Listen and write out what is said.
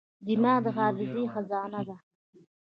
دماغ د حافظې خزانه ده.